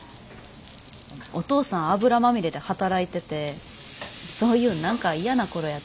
お父さん油まみれで働いててそういうん何か嫌な頃やったし。